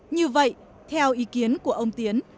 như vậy theo ý kiến của ông tiến